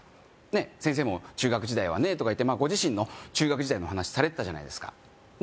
え先生も中学時代はねとか言ってまあご自身の中学時代の話されてたじゃないですかね